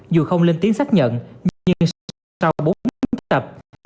dù không lên tiếng xác nhận nhưng sau bốn tháng tập